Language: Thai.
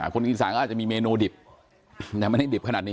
คนอีสานก็อาจจะมีเมนูดิบแต่ไม่ได้ดิบขนาดนี้